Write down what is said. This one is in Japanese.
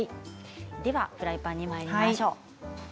フライパンにまいりましょう。